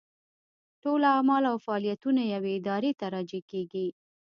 ټول اعمال او فاعلیتونه یوې ارادې ته راجع کېږي.